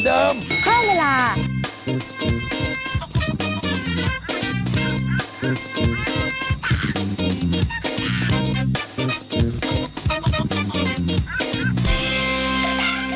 โปรดติดตามตอนต่อไป